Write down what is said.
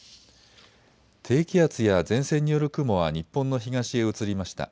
低気圧や前線による雲は日本の東へ移りました。